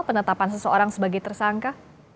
penetapan seseorang sebagai tersangka